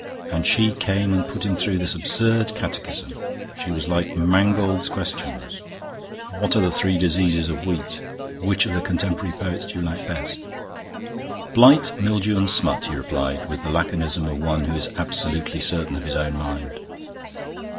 And she came and put him through this absurd catechism! She was like "Mangold's Questions": "What are the three diseases of wheat?" "Which of the contemporary poets do you like best?" "Blight, Mildew, and Smut," he replied, with the laconism of one who is absolutely certain of his own mind.